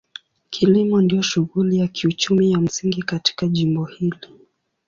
Kilimo ndio shughuli ya kiuchumi ya msingi katika jimbo hili.